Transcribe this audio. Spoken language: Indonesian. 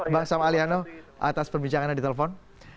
bang sam aliano atas perbincangannya di telepon